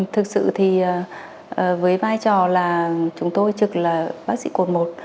thực sự thì với vai trò là chúng tôi trực là bác sĩ cột một